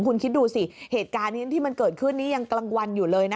คุณคิดดูสิเหตุการณ์นี้ที่มันเกิดขึ้นนี้ยังกลางวันอยู่เลยนะ